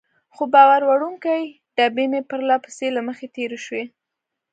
څو بار وړونکې ډبې مې پرله پسې له مخې تېرې شوې.